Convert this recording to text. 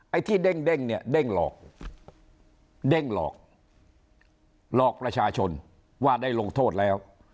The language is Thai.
ไอ้ที่เด้งเนี่ยเด้งหลอกหลอกราชาชนว่าได้ลงโทษแล้ว